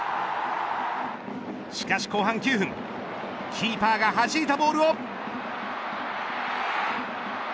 しかし後半９分キーパーがはじいたボールを。